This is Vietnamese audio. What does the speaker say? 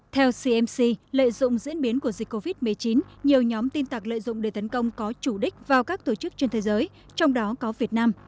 theo cmc lợi dụng diễn biến của dịch covid một mươi chín nhiều nhóm tin tạc lợi dụng để tấn công có chủ đích vào các tổ chức trên thế giới trong đó có việt nam